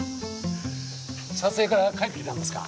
撮影から帰ってきたんですか。